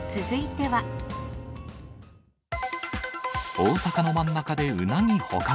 大阪の真ん中でウナギ捕獲。